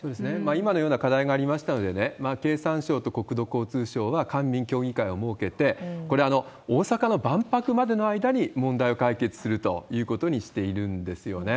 今のような課題がありましたので、経産省と国土交通省は、官民協議会を設けて、これ、大阪の万博までの間に問題を解決するということにしているんですよね。